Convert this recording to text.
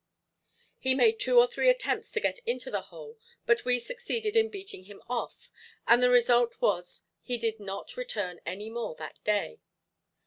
He made two or three attempts to get into the hole but we succeeded in beating him off, and the result was he did not return any more that day.